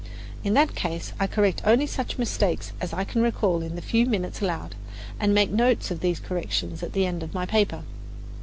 In that case I correct only such mistakes as I can recall in the few minutes allowed, and make notes of these corrections at the end of my paper.